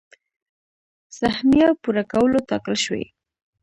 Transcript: سهميه پوره کولو ټاکل شوي.